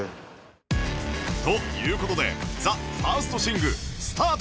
という事で ＴＨＥＦＩＲＳＴＳＩＮＧ スタート！